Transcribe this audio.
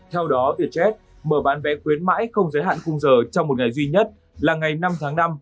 theo đó vietjet mở bán vé khuyến mãi không giới hạn khung giờ trong một ngày duy nhất là ngày năm tháng năm